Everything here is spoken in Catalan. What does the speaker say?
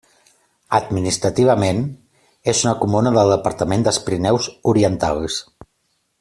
Administrativament és una comuna del departament dels Pirineus Orientals.